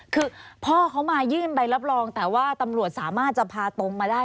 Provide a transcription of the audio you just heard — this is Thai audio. คือพ่อเขามายื่นใบรับรองแต่ว่าตำรวจสามารถจะพาตรงมาได้